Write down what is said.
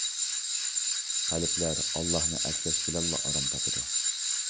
قەلبلەر ئاللاھنى ئەسلەش بىلەنلا ئارام تاپىدۇ.